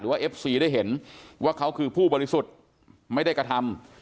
เอฟซีได้เห็นว่าเขาคือผู้บริสุทธิ์ไม่ได้กระทำ